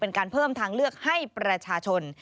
เป็นการเพิ่มทางเลือกให้ประชาชน